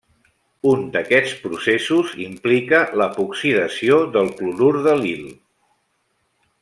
Un d'aquests processos implica l'epoxidació del clorur d'al·lil.